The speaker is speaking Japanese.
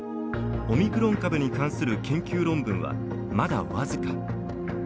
オミクロン株に関する研究論文はまだ僅か。